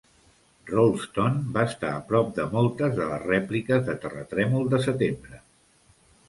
Rolleston va estar a prop de moltes de les rèpliques de terratrèmol de setembre.